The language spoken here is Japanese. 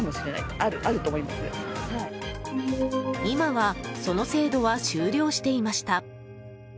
今は、その制度は終了していました。